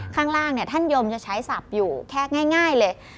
ข้างล่างท่านยมจะใช้ศัพท์อยู่แค่ง่ายเลย